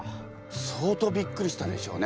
相当びっくりしたでしょうね